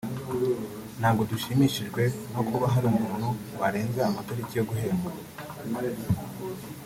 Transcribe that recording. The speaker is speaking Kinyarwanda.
ntabwo dushimishijwe no kuba hari umuntu warenza amatariki yo guhembwa